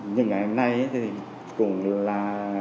những ngày hôm nay thì cũng là